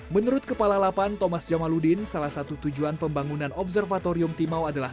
menurut kepala lapan thomas jamaludin salah satu tujuan pembangunan observatorium timau adalah